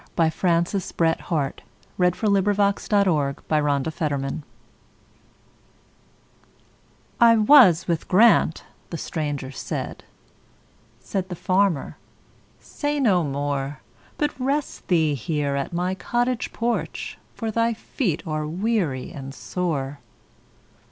By Francis BretHarte 748 The Aged Stranger "I WAS with Grant"—the stranger said; Said the farmer, "Say no more, But rest thee here at my cottage porch, For thy feet are weary and sore."